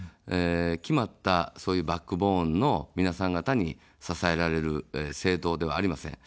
決まった、バックボーンの皆さん方に支えられる政党ではありません。